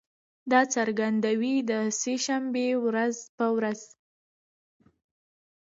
دا څرګندونې د سه شنبې په ورځ